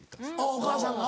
お母さんが。